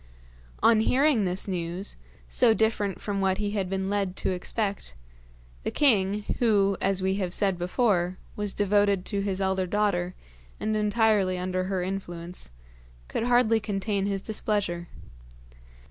On hearing this news, so different from what he had been led to expect, the king who as we have said before was devoted to his elder daughter and entirely under her influence, could hardly contain his displeasure.